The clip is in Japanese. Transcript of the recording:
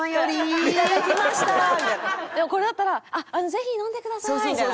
でもこれだったら「ぜひ飲んでください」みたいな。